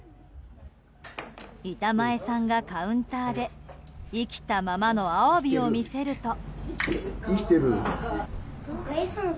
板前さんが、カウンターで生きたままのアワビを見せると。